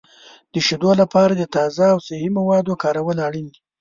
د شیدو لپاره د تازه او صحي موادو کارول اړین دي.